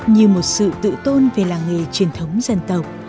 như một sự tự tôn về làng nghề truyền thống dân tộc